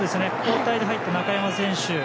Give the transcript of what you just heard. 交代で入った中山選手